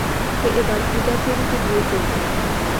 সে এবার পুজা চেরিকে বিয়ে করবে!